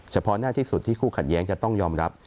เฉพาะหน้าที่สุดที่คู่ขัดแย้งจะต้องยอมรับ